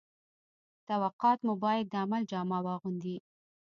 توقعات مو باید د عمل جامه واغوندي